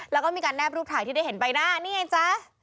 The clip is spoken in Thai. แล้วก็มีการแนบรูปถ่ายที่ได้เห็นใบหน้านี่ไงจ๊ะ